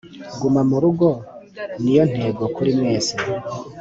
Guma murugo niyo ntego kuri mwese